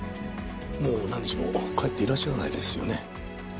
もう何日も帰っていらっしゃらないですよね。